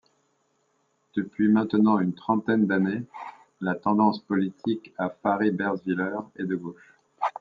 Depuis maintenant une trentaine d'années, la tendance politique à Farébersviller est de gauche.